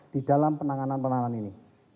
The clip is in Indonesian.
di dalam penanganan penanganan ini